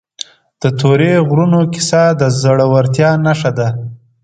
د تورې غرونو کیسه د زړه ورتیا نښه ده.